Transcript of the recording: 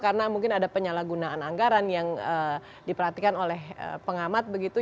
karena mungkin ada penyalahgunaan anggaran yang diperhatikan oleh pengamat begitu